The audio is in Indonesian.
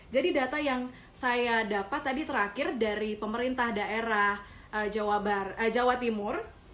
data yang saya dapat tadi terakhir dari pemerintah daerah jawa timur